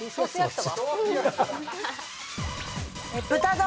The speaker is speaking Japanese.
豚丼